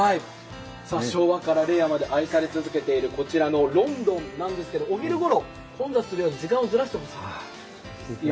昭和から令和まで愛され続けているこちらのロンドンなんですけどお昼ごろ、混雑するので時間をずらしてほしいと。